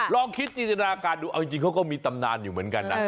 ลองคิดจินตนาการดูเอาจริงเขาก็มีตำนานอยู่เหมือนกันนะ